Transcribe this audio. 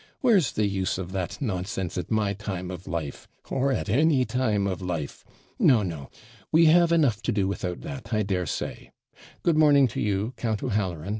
where's the use of that nonsense at my time of life, or at any time of life? No, no! we have enough to do without that, I daresay. Good morning to you, Count O'Halloran!